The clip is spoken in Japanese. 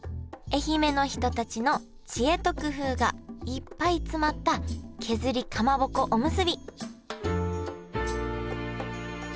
愛媛の人たちの知恵と工夫がいっぱい詰まった削りかまぼこおむすび